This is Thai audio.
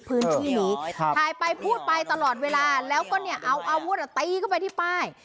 พื้นที่นี้ถ่ายไปพูดไปตลอดเวลาแล้วก็เนี่ยเอาอาวุธตีเข้าไปที่ป้าย